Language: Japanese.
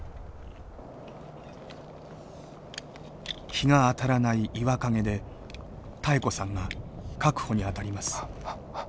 日が当たらない岩陰で妙子さんが確保に当たります。